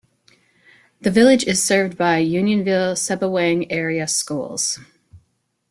The village is served by Unionville-Sebewaing Area Schools.